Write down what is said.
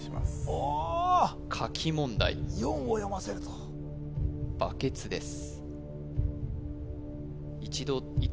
おおっ書き問題４を読ませるとバケツです